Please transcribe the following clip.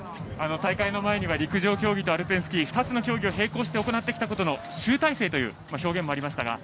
大会の前には陸上競技とアルペンスキー２つの競技を平行して行ってきたことの集大成という表現もありました